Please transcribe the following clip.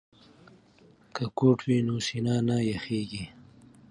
که کوټ وي نو سینه نه یخیږي.